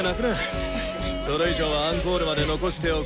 それ以上はアンコールまで残しておけ。